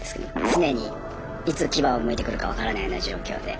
常にいつ牙をむいてくるか分からないような状況で。